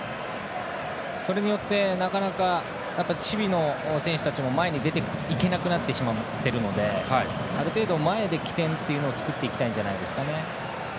それによって、なかなか守備の選手たちも前に出ていけなくなってしまっているのである程度、前で起点を作りたいんじゃないですかね。